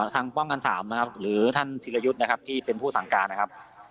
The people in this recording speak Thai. ทางป้องกัน๓นะครับหรือท่านธิรยุทธ์นะครับที่เป็นผู้สั่งการนะครับ